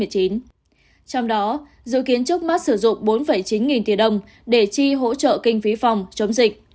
trong đó dự kiến trước mắt sử dụng bốn chín nghìn tỷ đồng để chi hỗ trợ kinh phí phòng chống dịch